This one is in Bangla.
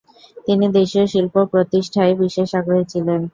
তিনি দেশীয় শিল্প-প্রতিষ্ঠায় বিশেষ আগ্রহী ছিলেন।